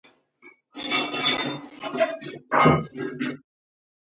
د دولت د اړتیا په لاملونو پوه شئ.